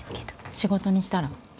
仕事にしたら？